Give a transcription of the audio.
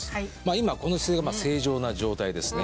今この姿勢が正常な状態ですね。